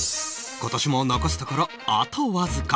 今年も残すところ、あとわずか。